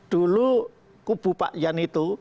dulu kubu pak jan itu